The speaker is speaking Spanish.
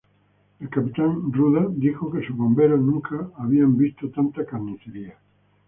El capitán Ruda dijo que sus bomberos nunca habían visto tanta "carnicería".